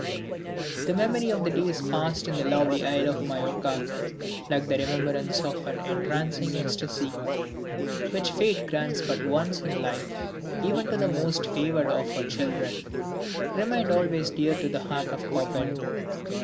The memory of the days passed in the lovely isle of Majorca, like the remembrance of an entrancing ecstasy, which fate grants but once in life even to the most favored of her children, remained always dear to the heart of Chopin.